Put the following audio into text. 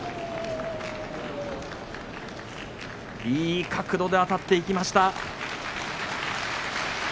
いい角度であたっていきました。